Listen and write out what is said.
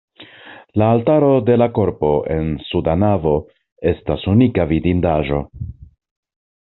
La altaro de la korpo en suda navo estas unika vidindaĵo.